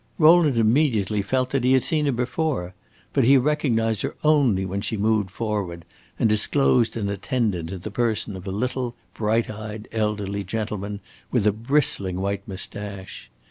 Rowland immediately felt that he had seen her before, but he recognized her only when she moved forward and disclosed an attendant in the person of a little bright eyed, elderly gentleman, with a bristling white moustache.